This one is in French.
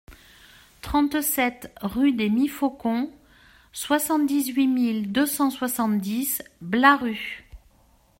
trente-sept rue des Mifaucons, soixante-dix-huit mille deux cent soixante-dix Blaru